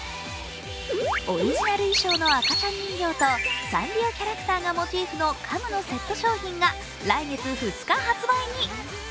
オリジナル衣装の赤ちゃん人形とサンリオキャラクターがモチーフの家具のセット商品が来月２日発売に。